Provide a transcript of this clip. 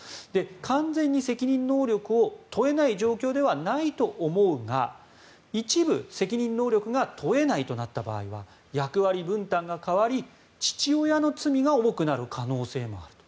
完全に責任能力を問えない状況ではないと思うが一部責任能力が問えないとなった場合は役割分担が変わり父親の罪が重くなる可能性もあると。